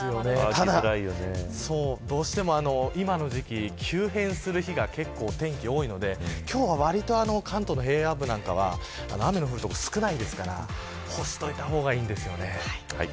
ただ、どうしても今の時期急変する日が結構多いので今日はわりと関東の平野部なんかは雨の降る所、少ないですから干しておいた方がいいんですよね。